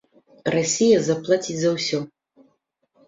Расія заплаціць за ўсё!